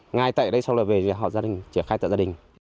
ngay tại đây sau đó về họ gia đình triển khai tạo gia đình